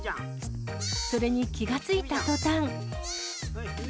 それに気が付いたとたん。